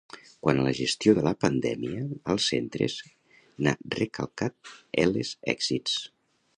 Quan a la gestió de la pandèmia als centres, n’ha recalcat eles èxits.